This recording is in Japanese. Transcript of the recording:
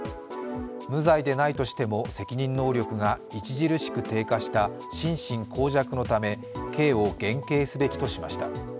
無罪でないとしても、責任能力が著しく低下した心神耗弱のため刑を減軽すべきとしました。